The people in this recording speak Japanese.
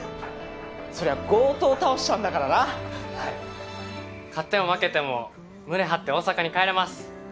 そりゃ強盗を倒したんだからなはい勝っても負けても胸張って大阪に帰れます